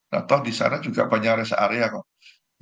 nah toh disana juga banyak rest area kok